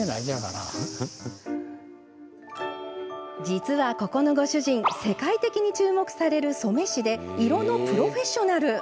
実は、ここのご主人世界的に注目される染め師で色のプロフェッショナル。